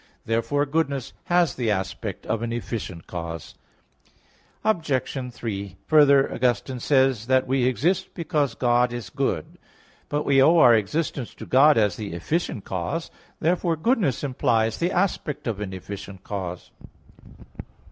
Therefore goodness has the aspect of an efficient cause. Obj. 3: Further, Augustine says (De Doctr. Christ. i, 31) that "we exist because God is good." But we owe our existence to God as the efficient cause. Therefore goodness implies the aspect of an efficient cause.